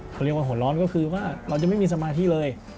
เขาเรียกว่าหัวร้อนก็คือว่าเราจะไม่มีสมาธิเลย